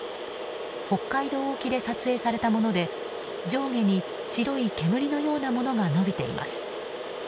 北海道沖で撮影されたもので上下に白い煙のようなものが伸びています。